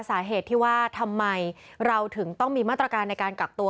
สาเหตุที่ว่าทำไมเราถึงต้องมีมาตรการในการกักตัว